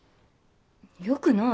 よくない！